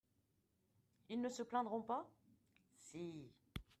Ils ne se plaidront pas ? Si.